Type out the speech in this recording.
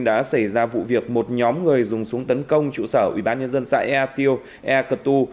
đã xảy ra vụ việc một nhóm người dùng súng tấn công trụ sở ủy ban nhân dân xã ea tiêu ea cật tu